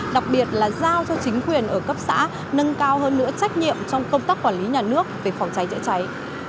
đặc biệt là giao cho chính quyền ở cấp xã nâng cao hơn nữa trách nhiệm trong công tác quản lý nhà nước về phòng cháy chữa cháy